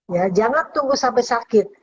ya jangan tunggu sampai sakit